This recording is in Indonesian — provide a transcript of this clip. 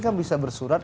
kan bisa bersurat